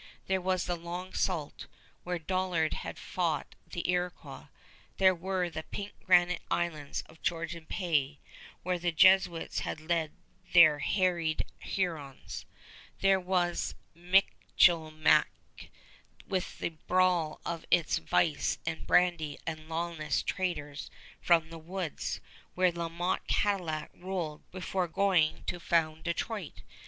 There was the Long Sault, where Dollard had fought the Iroquois. There were the pink granite islands of Georgian Bay, where the Jesuits had led their harried Hurons. There was Michilimackinac, with the brawl of its vice and brandy and lawless traders from the woods, where La Motte Cadillac ruled before going to found Detroit.